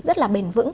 rất là bền vững